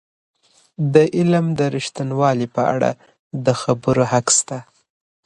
د علم د ریښتینوالی په اړه د خبرو حق سته.